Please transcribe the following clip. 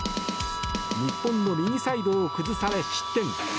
日本の右サイドを崩され失点。